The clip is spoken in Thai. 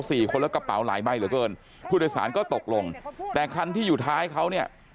คนแล้วกระเป๋าหลายใบเหลือเกินผู้โดยสารก็ตกลงแต่คันที่อยู่ท้ายเขาเนี่ย